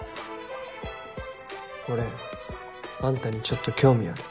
俺あんたにちょっと興味ある。